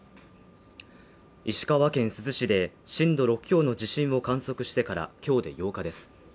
石川県珠洲市で震度６強の地震を観測してから今日で８日です。